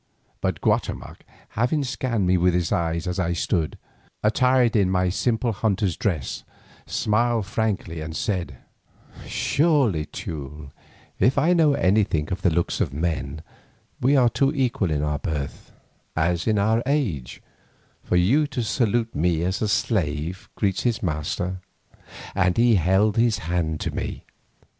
But Guatemoc, having scanned me with his eye as I stood, bow in hand, attired in my simple hunter's dress, smiled frankly and said: "Surely, Teule, if I know anything of the looks of men, we are too equal in our birth, as in our age, for you to salute me as a slave greets his master." And he held his hand to me.